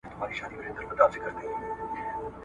له غړومبي یې رېږدېدل هډ او رګونه ..